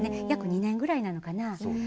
約２年ぐらいなのかな。